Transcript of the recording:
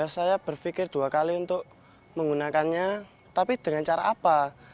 saya berpikir dua kali untuk menggunakannya tapi dengan cara apa